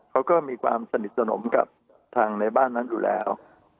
เขาก็มีความสนิทสนมกับทางในบ้านนั้นอยู่แล้ว